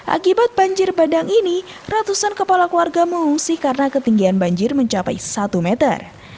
akibat banjir bandang ini ratusan kepala keluarga mengungsi karena ketinggian banjir mencapai satu meter